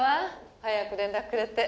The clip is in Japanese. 早く連絡くれて。